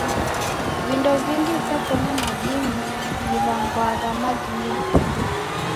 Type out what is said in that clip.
Vindo vingi veko na madini ghiw'angwagha magnesiamu.